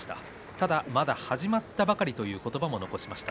ただ、まだ始まったばかりという言葉も残しました